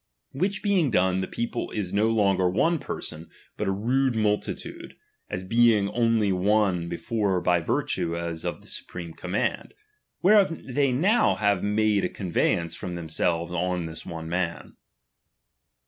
Which being done, the people is no longer one persoii, but a rude multitude, as being only one before by virtue of the supreme command, whereof they now have made a convey ance from themselves on this one man.